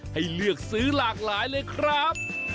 ให้เลือกซื้อหลากหลายเลยครับ